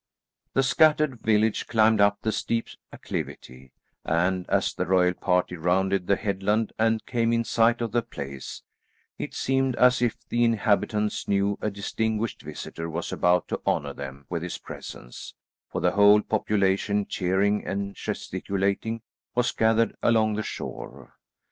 The scattered village climbed up the steep acclivity, and as the royal party rounded the headland and came in sight of the place, it seemed as if the inhabitants knew a distinguished visitor was about to honour them with his presence, for the whole population, cheering and gesticulating, was gathered along the shore.